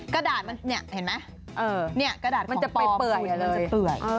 กระดาษมันเนี่ยเห็นมั้ยเนี่ยกระดาษของปลอมมันจะเปื่อยมันจะเปื่อย